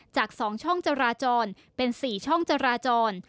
จาก๒ช่องจราจรเป็น๔ช่องจราจร